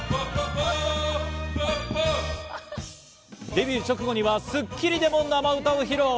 デビュー直後には『スッキリ』でも生歌を披露。